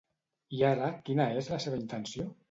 I ara quina és la seva intenció?